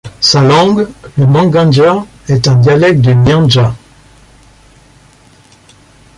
Sa langue, le mang'anja, est un dialecte du nyanja.